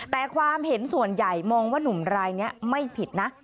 แต่ความเห็นส่วนใหญ่มองว่านุ่มรายนี้ไม่ผิดนะ